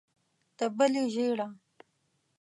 د بلې ژېړه.